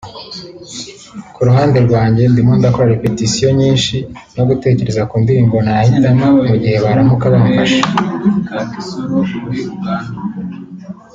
Ku ruhande rwanjye ndimo ndakora repetitions nyinshi no gutekereza ku ndirimbo nahitamo mu gihe baramuka bamfashe